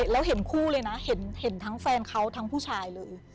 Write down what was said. แล้วเห็นคู่เลยนะเห็นทั้งแฟนเขาทั้งผู้ชายเลย